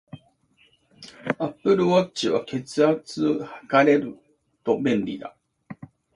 アップルウォッチは、血圧測れると便利だ